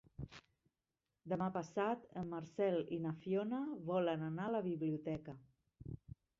Demà passat en Marcel i na Fiona volen anar a la biblioteca.